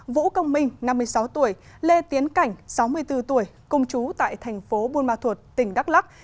vũ công minh năm mươi sáu tuổi lê tiến cảnh sáu mươi bốn tuổi công chú tại thành phố buôn ma thuột tỉnh đắk lắc